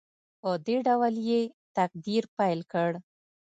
په دې ډول یې تقریر پیل کړ.